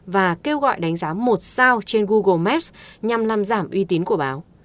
và kêu gọi đánh giá một sao trên google maps nhằm làm giảm uy tín của báo